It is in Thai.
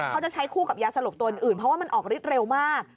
เขาจะใช้คู่กับยาสลบตัวอื่นเพราะว่ามันออกฤทธิเร็วมาก